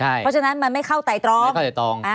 เพราะฉะนั้นมันไม่เข้าไตรตรอง